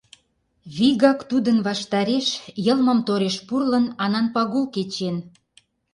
Вигак тудын ваштареш, йылмым тореш пурлын, Анан Пагул кечен...